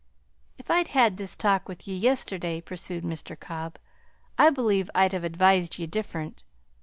"If I'd had this talk with ye yesterday," pursued Mr. Cobb, "I believe I'd have advised ye different.